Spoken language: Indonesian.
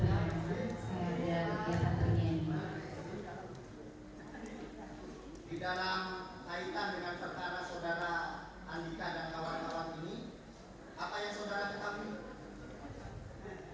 apa yang saudara ketahui